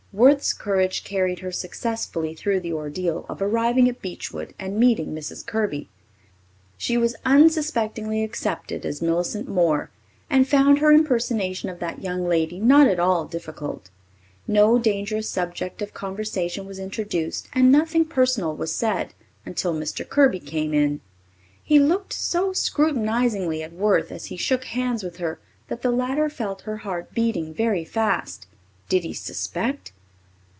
Worth's courage carried her successfully through the ordeal of arriving at Beechwood and meeting Mrs. Kirby. She was unsuspectingly accepted as Millicent Moore, and found her impersonation of that young lady not at all difficult. No dangerous subject of conversation was introduced and nothing personal was said until Mr. Kirby came in. He looked so scrutinizingly at Worth as he shook hands with her that the latter felt her heart beating very fast. Did he suspect?